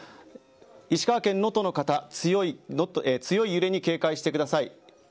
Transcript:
石川県能登の方強い揺れに警戒してください。